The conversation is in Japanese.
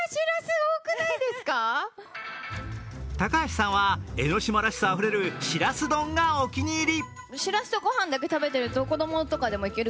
高橋さんは、江の島らしさあふれる、しらす丼がお気に入り。